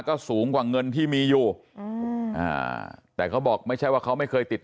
ก็สูงกว่าเงินที่มีอยู่อืมอ่าแต่เขาบอกไม่ใช่ว่าเขาไม่เคยติด